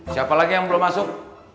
siapa lagi yang belum masuk